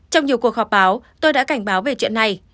trong nhiều cuộc họp báo tôi đã cảnh báo về chuyện này